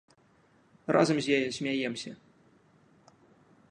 Разам з яе смяёмся.